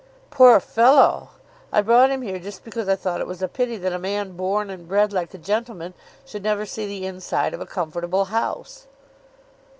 "Poor fellow! I brought him here just because I thought it was a pity that a man born and bred like a gentleman should never see the inside of a comfortable house."